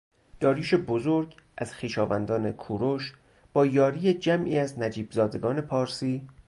داریوش بزرگ از خویشاوندان کوروش با یاری جمعی از نجیبزادگان پارسی